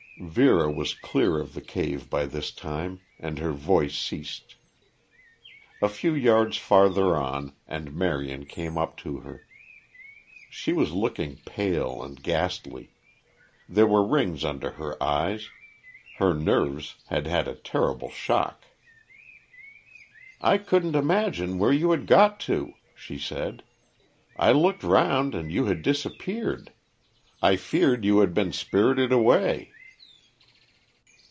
Vera was clear of the cave by this time, and her voice ceased. A few yards farther on and Marion came up to her. She was looking pale and ghastly; there were rings under her eyes; her nerves had had a terrible shock. "I couldn't imagine where you had got to," she said. "I looked round, and you had disappeared. I feared you had been spirited away."